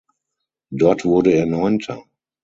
Dort wurde er Neunter.